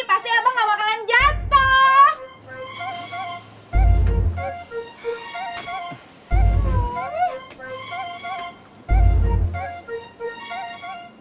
pasti abang gak bakalan jatuh